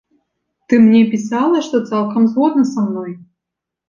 Ты мне пісала, што цалкам згодна са мной.